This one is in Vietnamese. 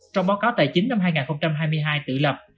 trong báo cáo tài chính năm hai nghìn hai mươi hai tự lập